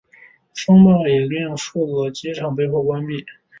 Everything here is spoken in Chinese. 风暴也令数个机场被迫关闭。